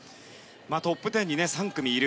トップ１０に３組いる。